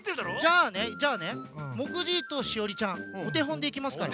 じゃあねじゃあねもくじいとしおりちゃんおてほんでいきますから。